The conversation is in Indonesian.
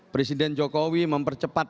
presiden jokowi mempercepat